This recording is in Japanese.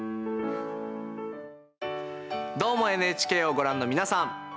「どーも、ＮＨＫ」をご覧の皆さん。